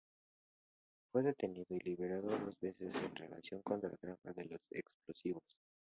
Fue detenido y liberado dos veces en relación con la trama de los explosivos.